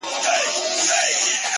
نه د ژړا نه د خندا خاوند دی ـ